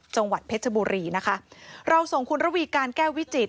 จังหวัดเพชรบุรีนะคะเราส่งคุณระวีการแก้ววิจิต